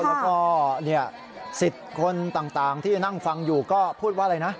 แล้วก็สิทธิ์คนต่างที่นั่งฟังอยู่ก็พูดว่าอะไรนะ